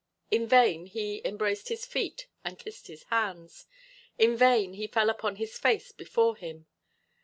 In vain he embraced his feet and kissed his hands; in vain he fell upon his face before him.